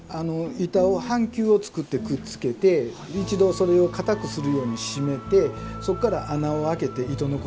板を半球を作ってくっつけて一度それを固くするように締めてそこから穴を開けて糸のこで。